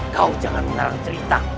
kau jangan menarang cerita